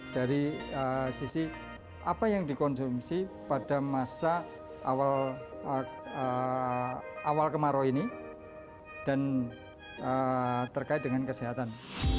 dari sisi apa yang dikonsumsi pada masa awal kemarau ini dan terkait dengan kesehatan